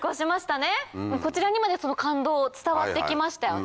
こちらにまでその感動伝わってきましたよね。